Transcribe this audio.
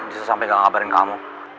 justru sampe gak ngabarin kamu